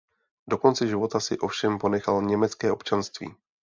Do konce života si ovšem ponechal německé občanství.